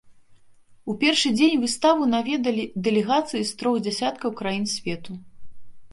У першы дзень выставу наведалі дэлегацыі з трох дзясяткаў краін свету.